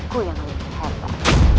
kukuh yang lebih hebat